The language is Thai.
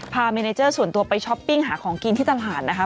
เมเนเจอร์ส่วนตัวไปช้อปปิ้งหาของกินที่ตลาดนะคะ